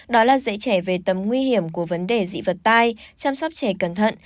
đó là dễ trẻ về tầm nguy hiểm của vấn đề dị vật tai chăm sóc trẻ cẩn thận